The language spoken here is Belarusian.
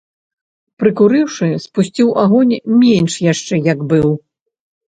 Прыкурыўшы, спусціў агонь менш яшчэ, як быў.